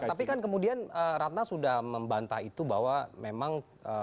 tapi kan kemudian ratna sudah membantah itu bahwa memang